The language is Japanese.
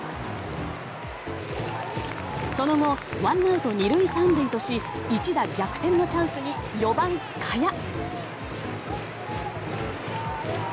その後、ワンアウト２塁３塁とし一打逆転のチャンスに４番、賀谷。